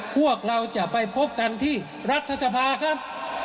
พวกเราจะไปพบกันที่รัฐสภาครับ